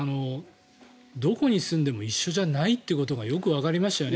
どこに住んでも一緒じゃないということがよくわかりましたよね。